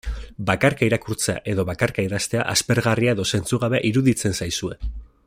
Bakarka irakurtzea edo bakarka idaztea, aspergarria edo zentzugabea iruditzen zaizue.